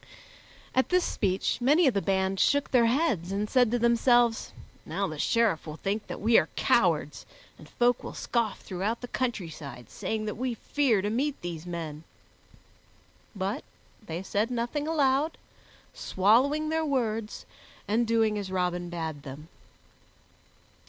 At this speech many of the band shook their heads, and said to themselves, "Now the Sheriff will think that we are cowards, and folk will scoff throughout the countryside, saying that we fear to meet these men." But they said nothing aloud, swallowing their words and doing as Robin bade them.